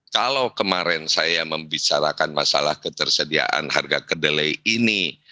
kalau kemarin saya membicarakan masalah ketersediaan harga kedelai ini